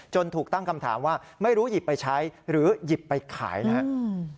ถูกตั้งคำถามว่าไม่รู้หยิบไปใช้หรือหยิบไปขายนะครับ